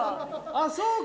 あっそうか！